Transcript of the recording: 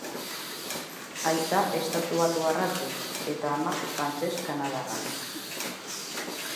Aita estatubatuarra du, eta ama frantses-kanadarra.